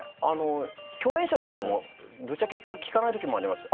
共演者の方もぶっちゃけ聞かないこともありますよ。